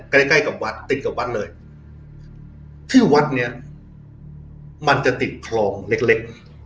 ใกล้ใกล้กับวัดติดกับวัดเลยที่วัดเนี้ยมันจะติดคลองเล็กเล็ก